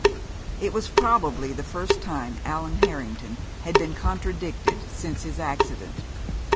It was probably the first time Allan Harrington had been contradicted since his accident.